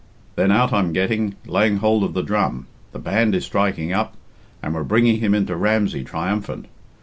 Then out I'm getting, laying hould of the drum, the band is striking up, and we're bringing him into Ramsey triumphant.